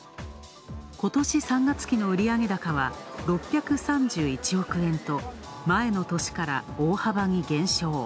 今年３月期の売上高は６３１億円と、前の年から大幅に減少。